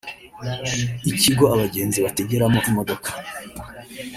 ikigo abagenzi bategeramo imodoka